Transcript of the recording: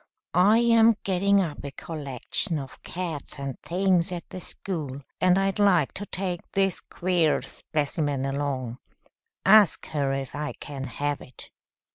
I am getting up a collection of cats and things at the school, and I'd like to take this queer specimen along. Ask her if I can have it."